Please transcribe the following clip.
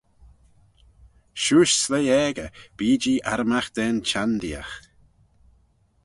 Shiuish sleih aegey, bee-jee arrymagh da'n çhenndeeaght.